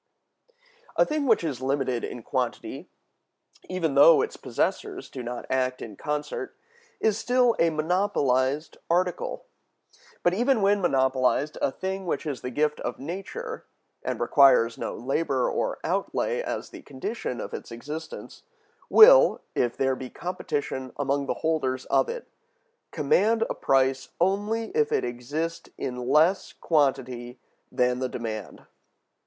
A thing which is limited in quantity, even though its possessors do not act in concert, is still a monopolized article. But even when monopolized, a thing which is the gift of nature, and requires no labor or outlay as the condition of its existence, will, if there be competition among the holders of it, command a price only if it exist in less quantity than the demand.